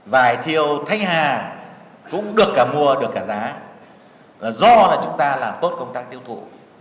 vải thiều thanh hà cũng được cả mua được cả giá do là chúng ta làm tốt công tác tiêu thụ